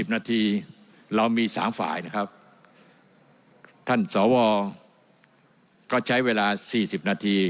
นาทีเรามี๓ฝ่ายนะครับท่านสวก็ใช้เวลา๔๐นาที